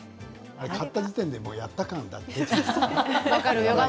買った時点でやった感が出ちゃうんですよね。